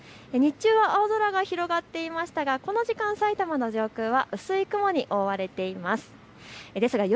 日中は青空が広がっていましたがこの時間、埼玉の上空は薄い雲に覆われています。